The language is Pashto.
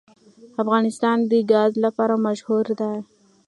افغانستان د ګاز لپاره مشهور دی.